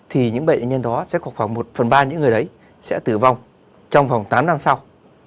thì những bệnh nhân đó sẽ có khoảng một phần ba những người đấy sẽ tử vong trong vòng tám năm sau